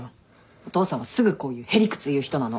お父さんはすぐこういうへ理屈言う人なの。